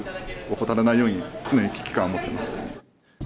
怠らないようには常に危機感持ってます。